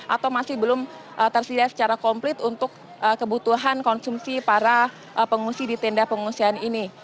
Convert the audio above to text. atau masih belum tersedia secara komplit untuk kebutuhan konsumsi para pengungsi di tenda pengungsian ini